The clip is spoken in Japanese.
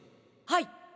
はい。